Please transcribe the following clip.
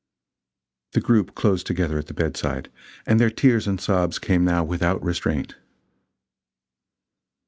The group closed together at the bedside, and their tears and sobs came now without restraint.